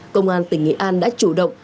công an tỉnh nghĩa an đã chủ động